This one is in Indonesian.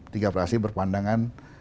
tiga fraksi berpandangan